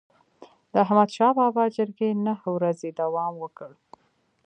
د احمدشاه بابا جرګي نه ورځي دوام وکړ.